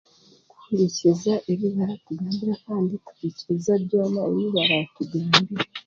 Kuhuriikiza ebibarakugambire kandi okahikiiriza byona ebi barakugambire.